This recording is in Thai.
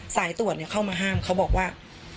สายตรวจเข้ามาห้ามเขาบอกว่า